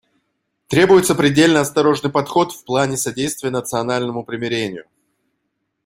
Требуется предельно осторожный подход в плане содействия национальному примирению.